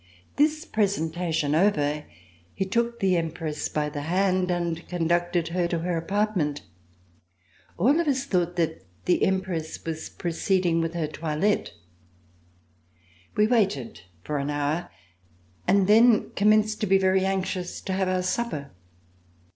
This presentation over, he took the Empress by the hand and conducted her to her apartment. All of us thought that the Empress was proceeding with her toi lette. We waited for an hour and then commenced to be very anxious to have our supper.